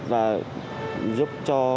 và giúp cho